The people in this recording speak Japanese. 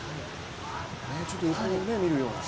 ちょっと横を見るような。